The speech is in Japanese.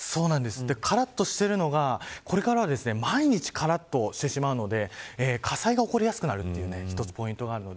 からっとしてるのがこれからは、毎日からっとしてしまうので火災が起こりやすくなるのが一つポイントです。